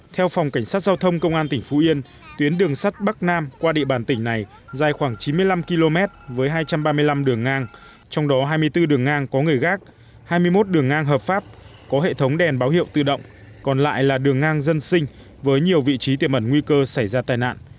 theo phòng cảnh sát giao thông công an tỉnh phú yên tuyến đường sắt bắc nam qua địa bàn tỉnh này dài khoảng chín mươi năm km với hai trăm ba mươi năm đường ngang trong đó hai mươi bốn đường ngang có người gác hai mươi một đường ngang hợp pháp có hệ thống đèn báo hiệu tự động còn lại là đường ngang dân sinh với nhiều vị trí tiệm ẩn nguy cơ xảy ra tai nạn